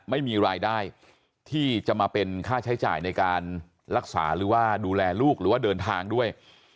ไม่มีรายได้ที่จะมาเป็นค่าใช้จ่ายในการรักษาหรือว่าดูแลลูกหรือว่าเดินทางด้วย